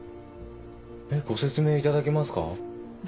えっご説明いただけますか？